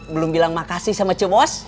belum bilang makasih sama cemos